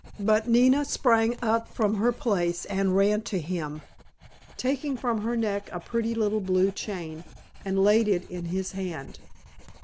But Nina sprang up from her place and ran to him, taking from her neck a pretty little blue chain, and laid it in his hand.